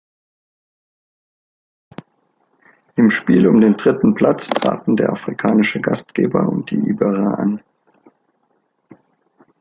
Im Spiel um den dritten Platz traten der afrikanische Gastgeber und die Iberer an.